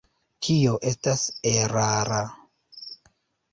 Tio estas erara.